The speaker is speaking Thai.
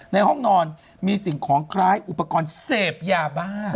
ในห้องนอนมีสิ่งของคล้ายอุปกรณ์เสพยาบ้า